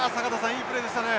いいプレーでしたね。